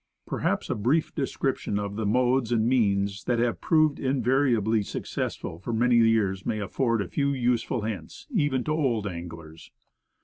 Perhaps a brief description of the modes and means that have proved invariably successful for many years may afford a few useful hints, even to old anglers.